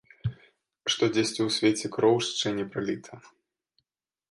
Што дзесьці ў свеце кроў шчэ не праліта.